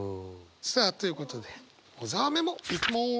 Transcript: さあということで小沢メモいきます。